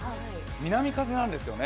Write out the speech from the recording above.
南風なんです。